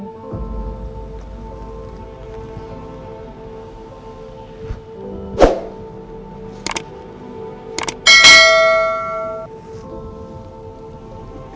itu sama sekali menenang aku